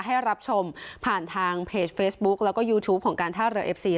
ให้รับชมผ่านทางเพจเฟซบุ๊กแล้วก็ยูทูปของการท่าเรือเอฟซี